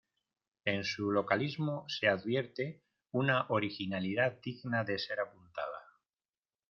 En su localismo se advierte una originalidad digna de ser apuntada.